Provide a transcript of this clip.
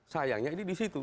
sayangnya ini di situ